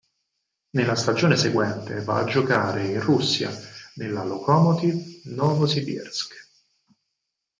Nella stagione seguente, va a giocare in Russia nella Lokomotiv Novosibirsk.